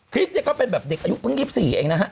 ริสเนี่ยก็เป็นแบบเด็กอายุเพิ่ง๒๔เองนะฮะ